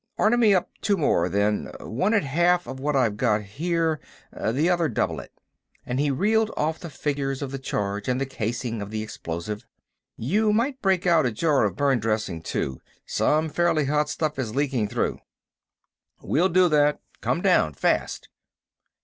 Order me up two more, then—one at half of what I've got here, the other double it," and he reeled off the figures for the charge and the casing of the explosive. "You might break out a jar of burn dressing, too. Some fairly hot stuff is leaking through." "We'll do that. Come down, fast!"